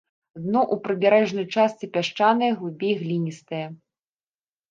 Дно ў прыбярэжнай частцы пясчанае, глыбей гліністае.